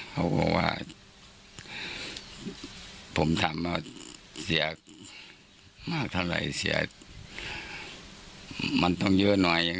เขาบอกว่าผมถามว่าเสียมากเท่าไหร่เสียมันต้องเยอะหน่อย